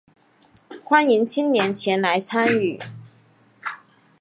欢迎青年前来参与